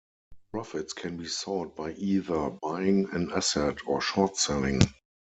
Profits can be sought by either buying an asset or short selling.